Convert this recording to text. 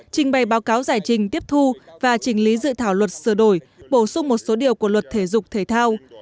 trình bày báo cáo giải trình tiếp thu và trình lý dự thảo luật sửa đổi bổ sung một số điều của luật thể dục thể thao